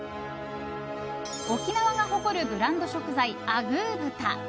沖縄が誇るブランド食材あぐー豚。